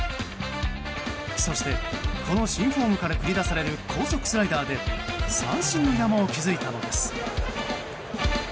そして、この新フォームから繰り出される高速スライダーで三振の山を築いたのです。